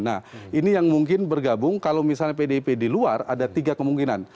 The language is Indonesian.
nah ini yang mungkin bergabung kalau misalnya pdip di luar ada tiga kemungkinan